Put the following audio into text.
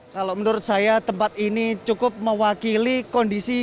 kalau menurut saya tempat ini cukup mewakili kondisi